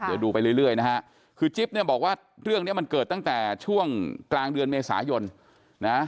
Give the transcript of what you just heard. เดี๋ยวดูไปเรื่อยนะฮะคือจิ๊บเนี่ยบอกว่าเรื่องเนี้ยมันเกิดตั้งแต่ช่วงกลางเดือนเมษายนนะ